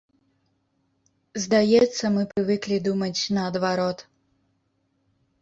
Здаецца, мы прывыклі думаць наадварот.